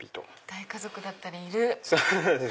大家族だったらいる！